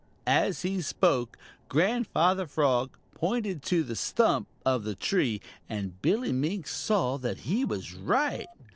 As he spoke, Grandfather Frog pointed to the stump of the tree, and Billy Mink saw that he was right.